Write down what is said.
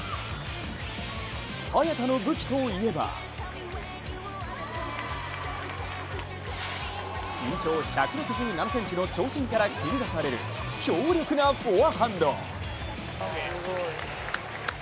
早田の武器といえば身長１６７ｃｍの長身から繰り出される強力なフォアハンド。